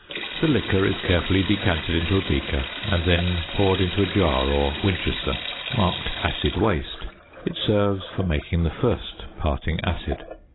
The liquor is carefully decanted into a beaker, and then poured into a jar or Winchester marked "acid waste"; it serves for making the first parting acid.